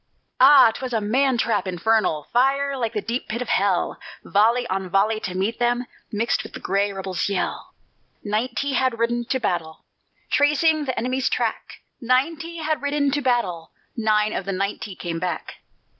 _ Ah! 'twas a man trap infernal Fire like the deep pit of hell! Volley on volley to meet them, Mixed with the gray rebel's yell. Ninety had ridden to battle, Tracing the enemy's track, Ninety had ridden to battle, Nine of the ninety came back.